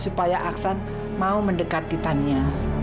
supaya aksan mau mendekati tania